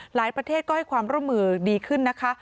ประเทศก็ให้ความร่วมมือดีขึ้นนะคะ